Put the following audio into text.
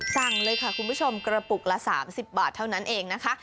สั่งเลยค่ะคุณผู้ชมกระปุกละ๓๐บาทเท่านั้นเองนะคะ